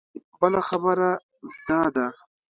بله خبره دا ده.